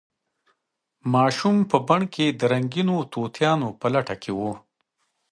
ماشوم په بڼ کې د رنګینو تیتانانو په لټه کې و.